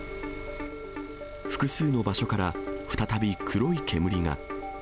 複数の場所から、再び黒い煙が。